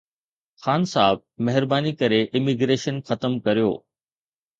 خان صاحب، مهرباني ڪري اميگريشن ختم ڪريو